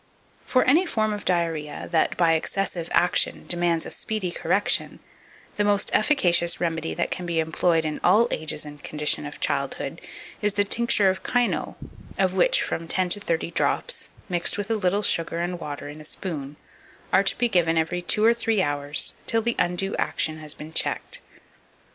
2576. For any form of diarrhoea that, by excessive action, demands a speedy correction, the most efficacious remedy that can be employed in all ages and conditions of childhood is the tincture of Kino, of which from 10 to 30 drops, mixed with a little sugar and water in a spoon, are to be given every two or three hours till the undue action has been checked.